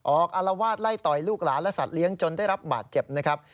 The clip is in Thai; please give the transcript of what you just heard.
อารวาสไล่ต่อยลูกหลานและสัตว์เลี้ยงจนได้รับบาดเจ็บนะครับ